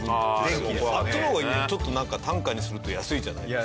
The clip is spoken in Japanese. あっちの方がちょっと単価にすると安いじゃないですか。